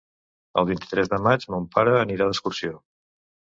El vint-i-tres de maig mon pare anirà d'excursió.